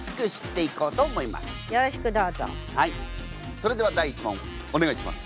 それでは第１問お願いします。